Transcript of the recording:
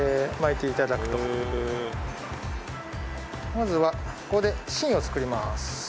まずはここで芯を作ります。